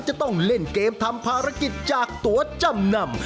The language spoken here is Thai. จะต้องเล่นเกมทำภารกิจจากตัวจำนำ